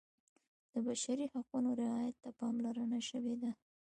د بشري حقونو رعایت ته پاملرنه شوې ده.